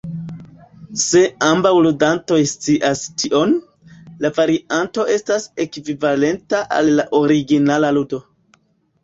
Se ambaŭ ludantoj scias tion, la varianto estas ekvivalenta al la originala ludo.